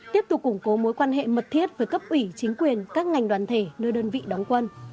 tiếp tục củng cố mối quan hệ mật thiết với cấp ủy chính quyền các ngành đoàn thể nơi đơn vị đóng quân